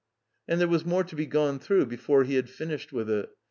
And there was more to be gone through before he had finished with it.